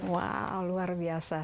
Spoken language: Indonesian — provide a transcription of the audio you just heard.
wow luar biasa